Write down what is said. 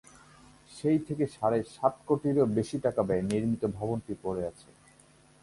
সেই থেকে সাড়ে সাত কোটিরও বেশি টাকা ব্যয়ে নির্মিত ভবনটি পড়ে আছে।